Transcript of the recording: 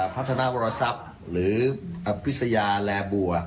พัฒนาโวรัสับหรือไล่บัว